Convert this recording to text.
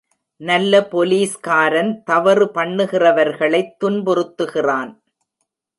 நல்ல போலீஸ்காரன் தவறு பண்ணுகிறவர்களைத் துன்புறுத்துகிறான்.